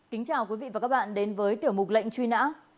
kính chào quý vị và các bạn đến với tiểu mục lệnh truy nã